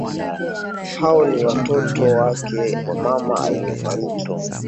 Hao ni watoto wake mama aliyefariki.